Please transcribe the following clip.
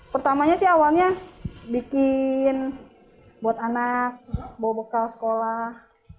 pertamanya sih awalnya bikin buat anak bawa bekal sekolah